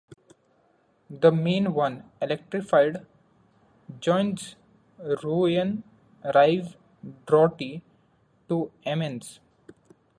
The main one, electrified, joins Rouen-Rive-Droite to Amiens.